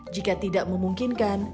jika tidak memungkinkan